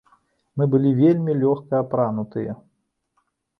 Мы былі вельмі лёгка апранутыя.